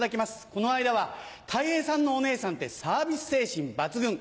この間は「たい平さんのお姉さんってサービス精神抜群。